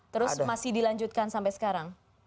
terus masih dilanjutkan sampai sekarang